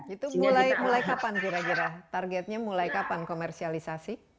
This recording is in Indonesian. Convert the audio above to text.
itu mulai kapan kira kira targetnya mulai kapan komersialisasi